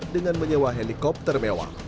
dengan menyewa helikopter mewah